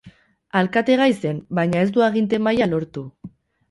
Alkategai zen baina, ez du aginte-makila lortu.